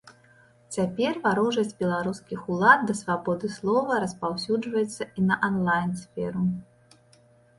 Цяпер варожасць беларускіх улад да свабоды слова распаўсюджваецца і на анлайн-сферу.